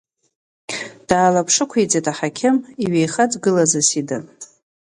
Даалаԥшықәиҵеит аҳақьым иҩеихаҵгылаз Асида.